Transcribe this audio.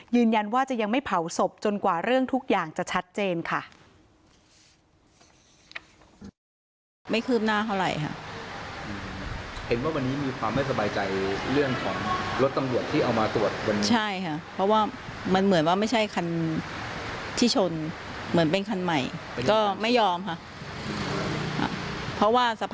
ยืนยันว่าจะยังไม่เผาศพจนกว่าเรื่องทุกอย่างจะชัดเจนค่ะ